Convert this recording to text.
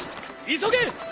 急げ！